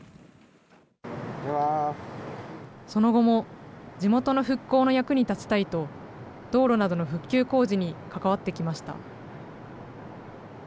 その後も地元の復興の役に立ちたいと、道路などの復旧工事に関わってきました。